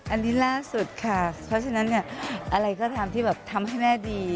อันนี้ล่าสุดค่ะเพราะฉะนั้นเนี่ยอะไรก็ตามที่แบบทำให้แม่ดี